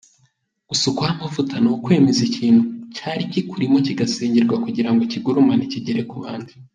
Gusukwaho amavuta ni ukwemeza ikintu cyari kikurimo kigasengerwa kugira ngo kigurumane kigere ku bandi.